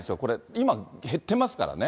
今減ってますからね。